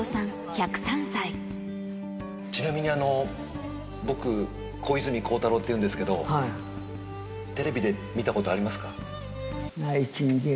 １０３ちなみに僕、小泉孝太郎っていうんですけど、テレビで見たことありますか？